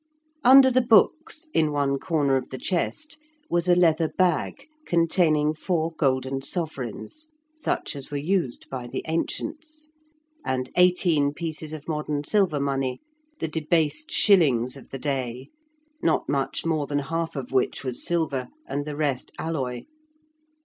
Under the books, in one corner of the chest, was a leather bag containing four golden sovereigns, such as were used by the ancients, and eighteen pieces of modern silver money, the debased shillings of the day, not much more than half of which was silver and the rest alloy.